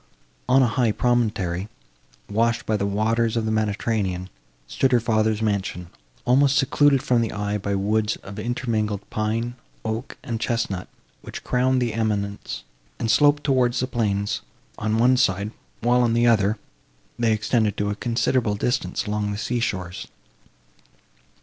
On a high promontory, washed by the waters of the Mediterranean, stood her father's mansion, almost secluded from the eye by woods of intermingled pine, oak and chesnut, which crowned the eminence, and sloped towards the plains, on one side; while, on the other, they extended to a considerable distance along the sea shores.